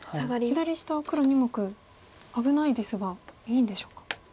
左下は黒２目危ないですがいいんでしょうか。